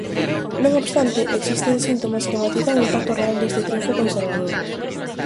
Non obstante, existen síntomas que matizan o impacto real deste triunfo conservador.